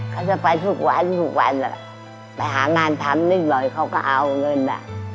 เขาจะไปทุกวันทุกวันไปหางานทำนิดหน่อยเขาก็เอาเงิน